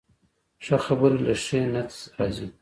ښه خبرې له ښې نیت راځي